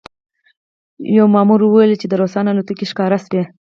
یوه مامور وویل چې د روسانو الوتکې ښکاره شوې